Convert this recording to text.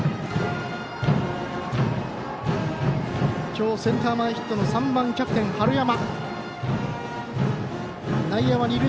今日、センター前ヒットの３番、キャプテン春山。